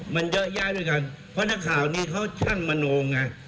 มันเยอะแยะด้วยกันเพราะนักข่าวนี้เขาช่างมโนไง